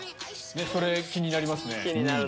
それ気になりますね。